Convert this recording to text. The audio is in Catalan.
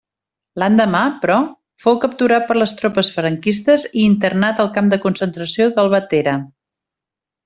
L'endemà, però, fou capturat per les tropes franquistes i internat al camp de concentració d'Albatera.